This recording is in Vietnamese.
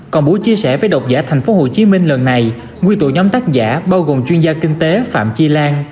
còn bố chia sẻ với đọc giả tp hcm lần này nguyên tụ nhóm tác giả bao gồm chuyên gia kinh tế phạm chi lan